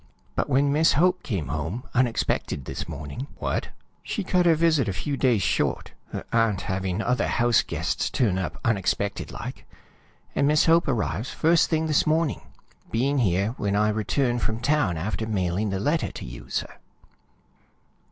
But when Miss Hope came home unexpected this morning " "What?" "She cut her visit a few days short, her aunt having other house guests turn up unexpected like, and Miss Hope arrives first thing this morning, being here when I return from town after mailing the letter to you, sir.